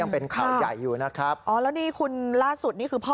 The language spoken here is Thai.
ตอนแรกที่ให้การเมื่อคืน